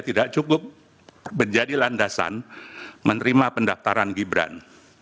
tidak cukup menjadi landasan menerima pendaftaran gibran